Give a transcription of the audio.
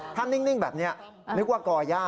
ถ้านิ่งแบบนี้นึกว่าก่อย่า